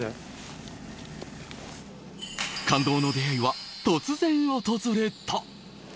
感動の出会いは突然訪れた。